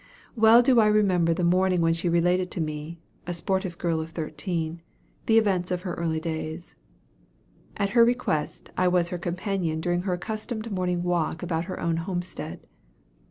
Well do I remember the morning when she related to me (a sportive girl of thirteen) the events of her early days. At her request, I was her companion during her accustomed morning walk about her own homestead.